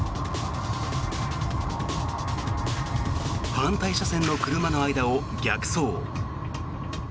反対車線の車の間を逆走。